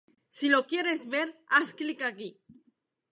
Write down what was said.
Si los quieres ver has clic aquí.